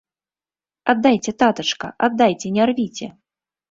Аддайце, татачка, аддайце, не рвіце!